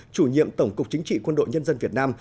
chủ nhiệm tổng cục chính trị quân đội nhân dân việt nam